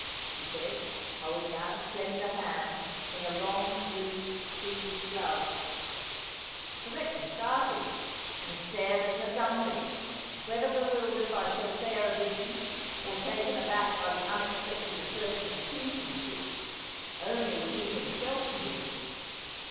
' she said, holding out a slender hand, in a long loose Swedish glove. 76 Asphodel. The Rector started, and stared at her dumbly, whether bewildered by so fair a vision, or taken aback by the unexpected assertion of kinsmanship, only he himself knew.